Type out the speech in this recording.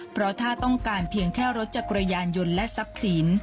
เพราะถ้าต้องการเพียงแค่รถจักรยานยนต์และทรัพย์สิน